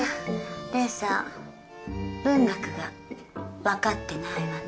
麗さん文学がわかってないわね。